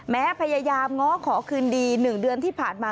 พยายามง้อขอคืนดี๑เดือนที่ผ่านมา